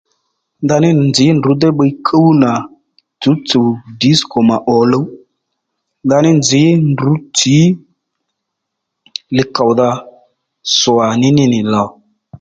Ndaní nzǐ ndrǔ déy bbiy kúw nà tsǔwtsùw dǐskò mà òluw ndaní nzǐ ndrǔ tsǐ li kòwdha swàní ní nì lò